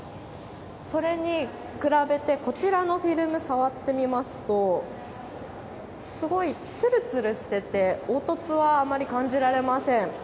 それに比べてこちらのフィルム、触ってみますと、すごいつるつるしてて凹凸はあまり感じられません。